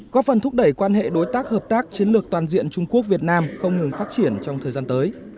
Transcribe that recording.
góp phần thúc đẩy quan hệ đối tác hợp tác chiến lược toàn diện trung quốc việt nam không ngừng phát triển trong thời gian tới